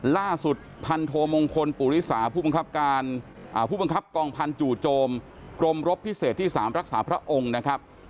ล่าสุดพันโทมงคลปุริสาผู้บังคับการผู้บังคับกองพันธ์จู่โจมกรมรบพิเศษที่๓รักษาพระองค์นะครับ